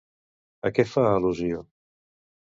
A què fa al·lusió?